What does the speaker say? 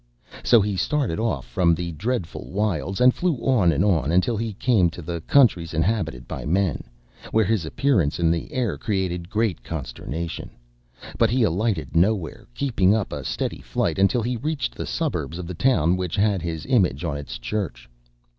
So he started off from the dreadful wilds, and flew on and on until he came to the countries inhabited by men, where his appearance in the air created great consternation; but he alighted nowhere, keeping up a steady flight until he reached the suburbs of the town which had his image on its church.